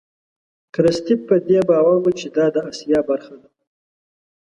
کرستیف په دې باور و چې دا د آسیا برخه ده.